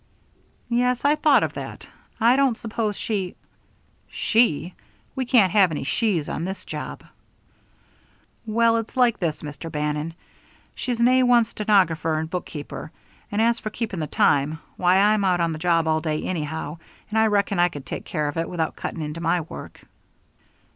"Yes, I thought of that. I don't suppose she " "She? We can't have any shes on this job." "Well, it's like this, Mr. Bannon; she's an A1 stenographer and bookkeeper; and as for keeping the time, why, I'm out on the job all day anyhow, and I reckon I could take care of it without cutting into my work."